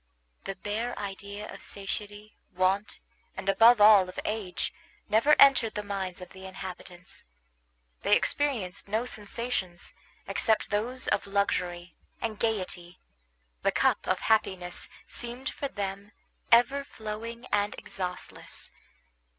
The bare idea of satiety, want, and, above all, of age, never entered the minds of the inhabitants. They experienced no sensations except those of luxury and gayety; the cup of happiness seemed for them ever flowing and exhaustless.